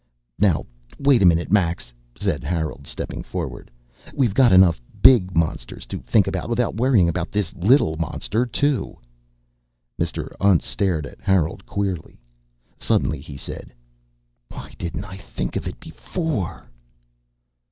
"Now wait a minute, Max," said Harold, stepping forward. "We've got enough big monsters to think about without worrying about this little monster too." Mr. Untz stared at Harold queerly. Suddenly he said, "Why didn't I think of it before?"